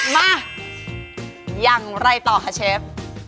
มาอย่างไรต่อคะเชฟ